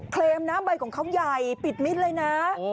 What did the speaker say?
เคลมนะใบของเขาใหญ่ปิดมิตรเลยนะ